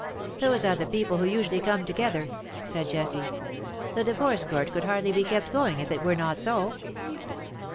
''" Those are the peo]3le who usually come to gether/' said J essie ;^' the Divorce Court could hardly be kept going if it were not so."